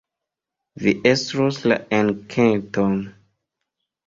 Vi estros la enketon.